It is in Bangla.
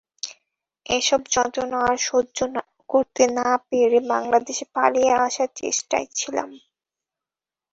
এসব যন্ত্রণা আর সহ্য করতে না পেরে বাংলাদেশে পালিয়ে আসার চেষ্টায় ছিলাম।